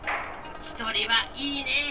ひとりはいいねえ。